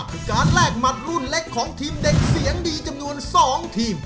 คือการแลกหมัดรุ่นเล็กของทีมเด็กเสียงดีจำนวน๒ทีม